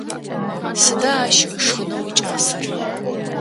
Сыда ащ ышхынэу икӏасэр?